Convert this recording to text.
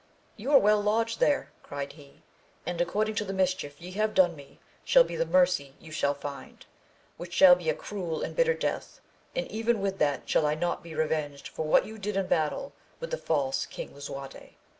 You are well lodged there, cried he, and according to the mischief ye have done me shall be the mercy ye shall find, which shall be a cruel and bitter death, and even with that shall I not be revenged for what you did in battle with the false King Lisuarte.